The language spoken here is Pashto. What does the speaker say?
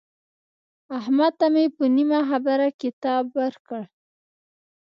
احمد ته مې په نیمه خبره کتاب ورکړ.